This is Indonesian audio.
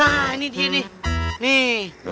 nah ini dia nih nih